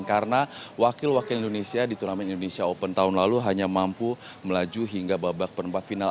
karena wakil wakil indonesia di turnamen indonesia open tahun lalu hanya mampu melaju hingga babak penempat final